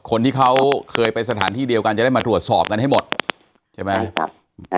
คนที่เขาเคยไปสถานที่เดียวกันจะได้มาตรวจสอบกันให้หมดใช่ไหมใช่ครับ